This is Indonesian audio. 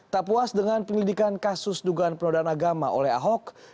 tak puas dengan penyelidikan kasus dugaan penodaan agama oleh ahok